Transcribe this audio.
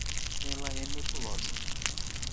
Ela é nebulosa.